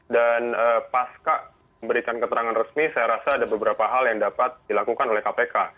dan pas kak memberikan keterangan resmi saya rasa ada beberapa hal yang dapat dilakukan oleh kpk